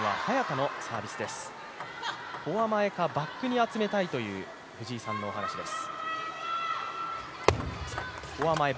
フォア前かバックに集めたいという藤井さんのお話です。